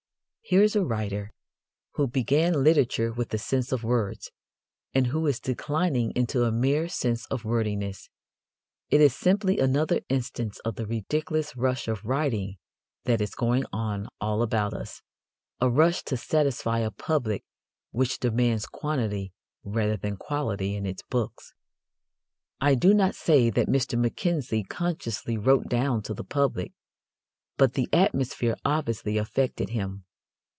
Here is a writer who began literature with a sense of words, and who is declining into a mere sense of wordiness. It is simply another instance of the ridiculous rush of writing that is going on all about us a rush to satisfy a public which demands quantity rather than quality in its books. I do not say that Mr. Mackenzie consciously wrote down to the public, but the atmosphere obviously affected him.